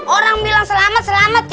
orang bilang selamat selamat